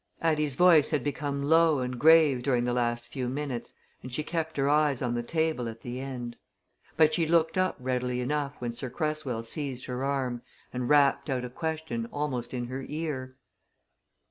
Addie's voice had become low and grave during the last few minutes and she kept her eyes on the table at the end. But she looked up readily enough when Sir Cresswell seized her arm and rapped out a question almost in her ear.